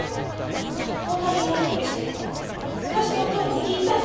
相談に乗るふりして私の手を握ったの」。